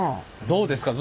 どうですか？